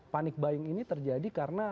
panik buying ini terjadi karena